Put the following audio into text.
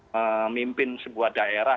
memimpin sebuah daerah